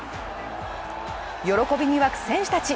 喜びに沸く選手たち。